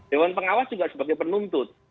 dewan pengawas juga sebagai penuntut